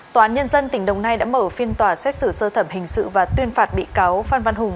tòa án nhân dân tỉnh đồng nai đã mở phiên tòa xét xử sơ thẩm hình sự và tuyên phạt bị cáo phan văn hùng